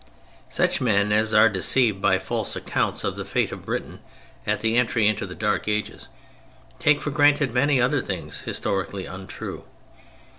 Such men as are deceived by false accounts of the fate of Britain at the entry into the Dark Ages, take for granted many other things historically untrue.